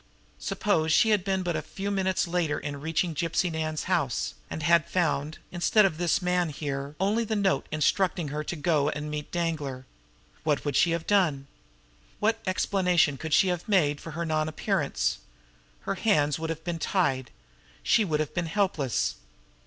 Suppose she had been but a few minutes later in reaching Gypsy Nan's house, and had found, instead of this man here, only the note instructing her to go and meet Danglar! What would she have done? What explanation could she have made for her nonappearance? Her hands would have been tied. She would have been helpless.